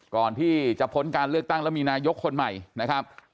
ก่อนที่จะพ้นการเลือกตั้งแล้วมีนายกคนใหม่นะครับ